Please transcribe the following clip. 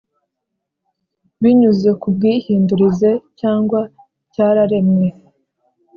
Binyuze ku bwihindurize cyangwa cyararemwe